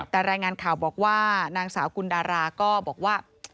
แต่รายงานข่าวบอกว่านางสาวกุลดาราก็บอกว่า